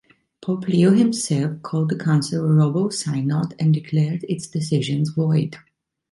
Pope Leo himself called the council a "robber synod" and declared its decisions void.